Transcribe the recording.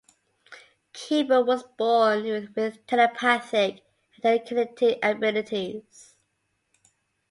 Cable was born with telepathic and telekinetic abilities.